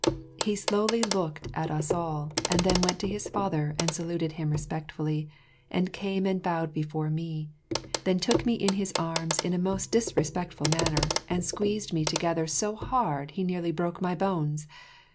He slowly looked at us all, then went to his father and saluted him respectfully, came and bowed before me, then took me in his arms in a most disrespectful manner and squeezed me together so hard he nearly broke my bones.